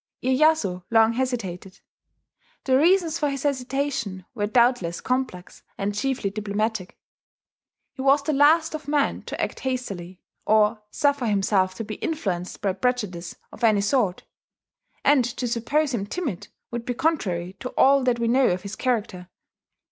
Iyeyasu long hesitated. The reasons for his hesitation were doubtless complex, and chiefly diplomatic. He was the last of men to act hastily, or suffer himself to be influenced by prejudice of any sort; and to suppose him timid would be contrary to all that we know of his character.